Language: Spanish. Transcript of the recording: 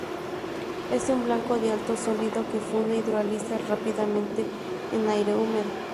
Es un blanco de alto sólido que funde hidroliza rápidamente en aire húmedo.